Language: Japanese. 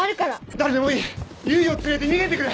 誰でもいい唯を連れて逃げてくれ！